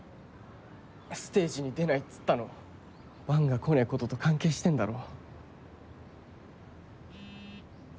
ステージに出ないっつったの伴が来ねえことと関係してんだろ？